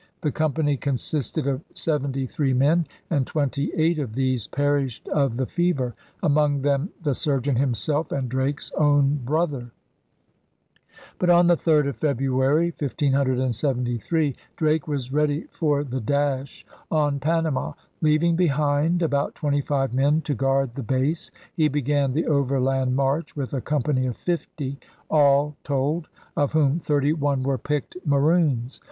The company consisted of seventy three men; and twenty eight of these perished of the fever, among them the surgeon himself and Drake's own brother. But on the 3d of February, 1573, Drake was ready for the dash on Panama. Leaving behind about twenty five men to guard the base, he began the overland march with a company of fifty, all told, of whom thirty one were picked Maroons.